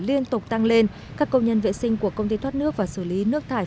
liên tục tăng lên các công nhân vệ sinh của công ty thoát nước và xử lý nước thải